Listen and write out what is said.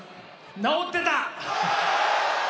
治ってた！